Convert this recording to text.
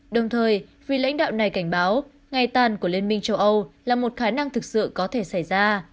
đồng thời vị lãnh đạo này cảnh báo ngày tàn của liên minh châu âu là một khả năng thực sự có thể xảy ra